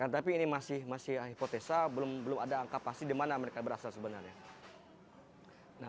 tapi ini masih hipotesa belum ada angka pasti di mana mereka berasal sebenarnya